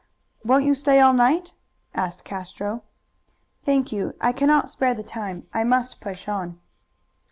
"Won't you stay all night?" asked Castro. "Thank you. I cannot spare the time. I must push on."